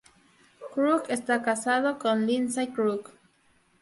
Crook está casado con Lindsay Crook.